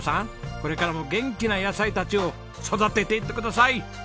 これからも元気な野菜たちを育てていってください！